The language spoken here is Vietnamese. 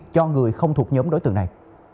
cho người không thuộc nhóm đối tượng này